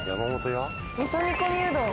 みそ煮込みうどん